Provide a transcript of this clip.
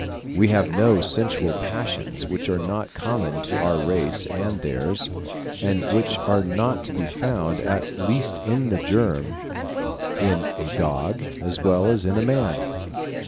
We have no sensual passions which are not common to our race and theirs, and which are not to be found, at least in the germ, in a dog as well as in a man.